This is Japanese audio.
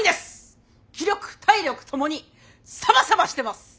気力体力ともにサバサバしてます！